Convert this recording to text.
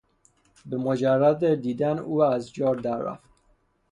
به مجرد دیدن او ازجا دررفت.